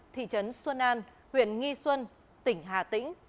thị trấn xuân an huyện nghi xuân tỉnh hà tĩnh